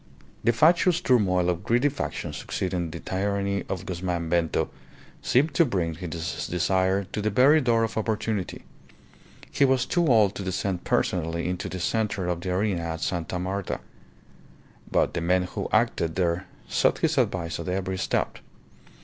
The fatuous turmoil of greedy factions succeeding the tyranny of Guzman Bento seemed to bring his desire to the very door of opportunity. He was too old to descend personally into the centre of the arena at Sta. Marta. But the men who acted there sought his advice at every step.